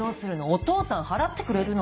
お父さん払ってくれるの？